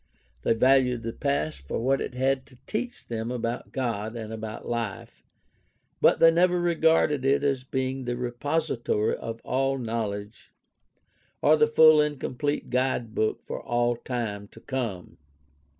They valued the past for what it had to teach them about God and about life; but they never regarded it as being the repository of all knowledge or the full and complete guidebook for all time to come.